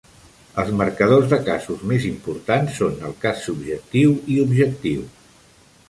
Els marcadors de casos més importants són el cas subjectiu i objectiu.